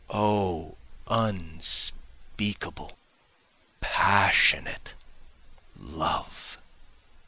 O unspeakable passionate love.